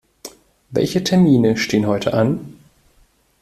Welche Termine stehen heute an?